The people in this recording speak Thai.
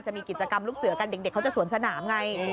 จะมีกิจกรรมลูกเสือกันเด็กเขาจะสวนสนามไง